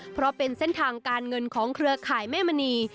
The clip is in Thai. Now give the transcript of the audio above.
เพราะเป็นเส้นทางการเงินของเครือข่ายแม่มณี